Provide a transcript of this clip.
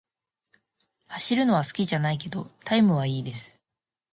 走るのは好きじゃないけど、タイムは良いです。